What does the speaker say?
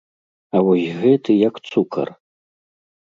А вось гэты, як цукар!